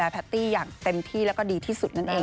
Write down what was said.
จะดูแลพาตี้อย่างเต็มที่แล้วก็ดีที่สุด